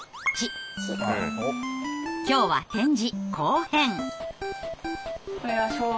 今日は「点字」後編。